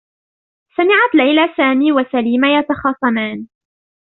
سمعت ليلى سامي و سليمة يتخاصمان.